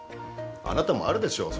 あなたもあるでしょう？